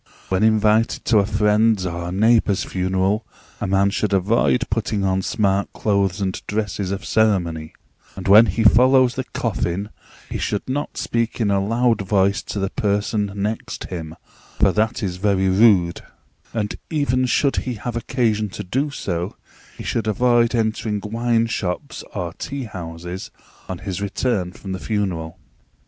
When invited to a friend's or neighbour's funeral, a man should avoid putting on smart clothes and dresses of ceremony; and when he follows the coffin, he should not speak in a loud voice to the person next him, for that is very rude; and even should he have occasion to do so, he should avoid entering wine shops or tea houses on his return from the funeral.